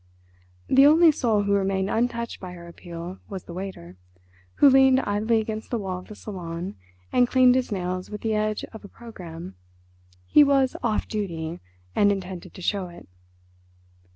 The only soul who remained untouched by her appeal was the waiter, who leaned idly against the wall of the salon and cleaned his nails with the edge of a programme. He was "off duty" and intended to show it.